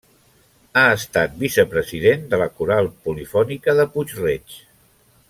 Ha estat vicepresident de la Coral Polifònica de Puig-reig.